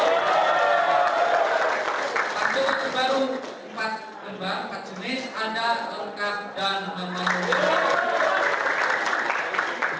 untuk pap jokotan baru empat lembah empat jenis ada ongkar dan mengumpulkan